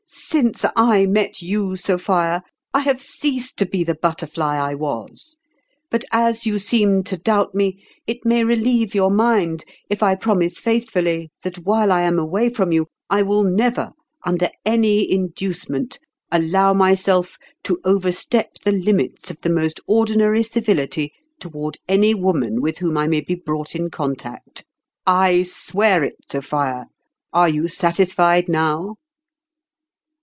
" Since I met you, Sophia, I have ceased to be the butterfly I was. But as you seem to doubt me, it may relieve your mind if I promise faithfully that, while I am away from you, I will never, under any induce ment, allow myself to overstep the limits of the most ordinary civility toward any woman with whom I may be brought in contact. I swear it, Sophia ! Are you satisfied now